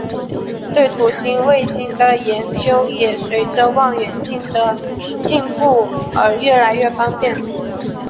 对土星卫星的研究也随着望远镜的进步而越来越方便。